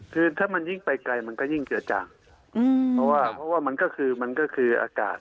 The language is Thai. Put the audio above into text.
คือถ้ามันยิ่งไปไกลมันก็ยิ่งเจือจางเพราะว่ามันก็คืออากาศ